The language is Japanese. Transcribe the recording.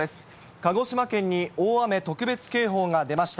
鹿児島県に大雨特別警報が出ました。